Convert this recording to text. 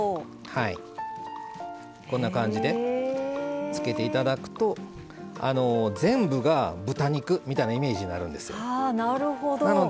こんな感じでつけて頂くと全部が豚肉みたいなイメージになるんですよ。はあなるほど。